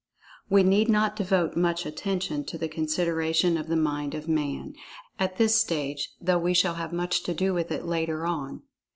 We need not devote much attention to the consideration of the Mind of Man, at this stage, although we shall have much to do with it, later on.